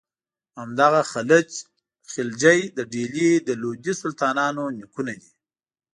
همدغه خلج د ډهلي د لودي سلطانانو نیکونه دي.